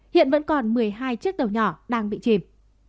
hiện vẫn còn một mươi hai chiếc tàu nhỏ đang bị chìm